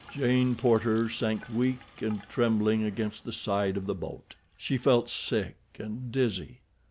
Jane Porter sank weak and trembling against the side of the boat. She felt sick and dizzy.